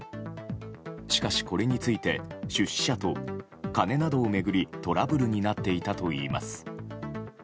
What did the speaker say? しかし、これについて出資者と金などを巡りトラブルになっていたといいます。